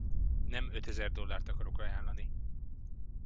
Nem ötezer dollárt akarok ajánlani!